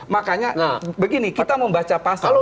makanya begini kita membaca pasal